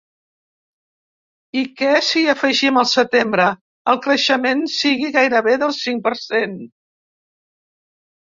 I que, si hi afegim el setembre, el creixement sigui gairebé del cinc per cent.